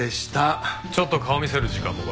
ちょっと顔見せる時間もか？